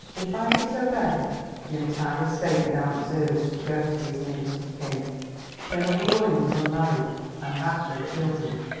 If I disobeyed, the entire estate without reserve was to go to his nearest of kin.... Colonel Burgoyne was unmarried and had no children."